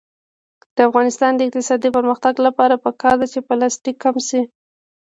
د افغانستان د اقتصادي پرمختګ لپاره پکار ده چې پلاستیک کم شي.